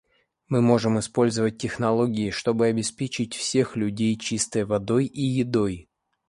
Мы можем использовать технологии, чтобы обеспечить всех людей чистой водой и едой.